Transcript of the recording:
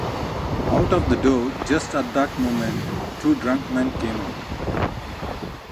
Out of the door, just at that moment, two drunk men came out.